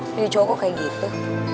jadi cowok kok kayak gitu